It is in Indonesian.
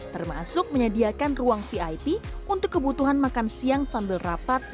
termasuk menyediakan ruang vip untuk kebutuhan makan siang sambil rapat